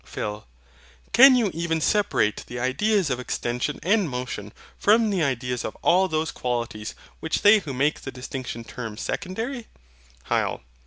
PHIL. Can you even separate the ideas of extension and motion from the ideas of all those qualities which they who make the distinction term SECONDARY? HYL.